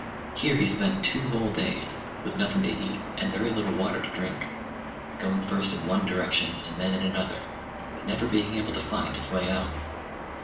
Here he spent two whole days, with nothing to eat and very little water to drink, going first in one direction and then in another, but never being able to find his way out.